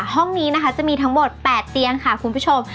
ห้องนี้นะคะจะมีทั้งหมด๘เตียงค่ะคุณผู้ชม